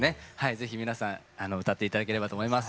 是非皆さん歌って頂ければと思います。